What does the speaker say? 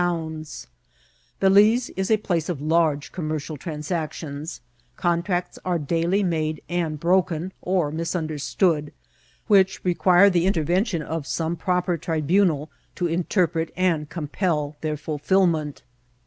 Baliz^ is a place of large commercial transactions ; contracts are daily made and broken, or misunderstood, which re quire the intervention of some proper tribunal to inter pret and compel their fulfilment.